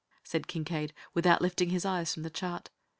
said Kincaide, without lifting his eyes from the chart.